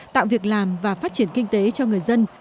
tạo việc làm và phát triển kinh tế cho người dân